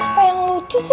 apa yang lucu sih